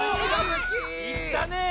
いったねぇ！